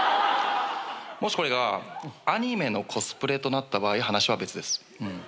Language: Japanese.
もしこれがアニメのコスプレとなった場合話は別です。